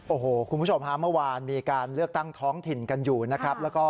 โอ้โหคุณผู้ชมฮะเมื่อวานมีการเลือกตั้งท้องถิ่นกันอยู่นะครับ